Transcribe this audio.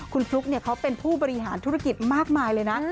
คุณฟลุ๊กเขาเป็นผู้บริหารธุรกิจมากมายเลยนะ